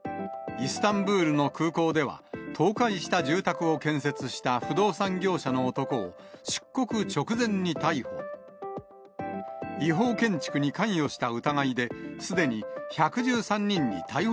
イスタンブールの空港では、倒壊した住宅を建設した不動産業者の男を、出国直前に逮捕。